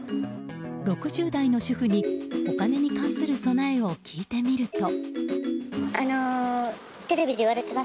６０代の主婦にお金に関する備えを聞いてみると。